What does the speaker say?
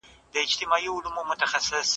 اقتصادي رشد د ګڼو عواملو پایله ده.